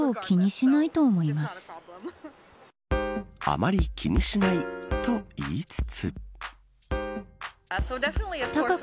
あまり気にしないと言いつつ。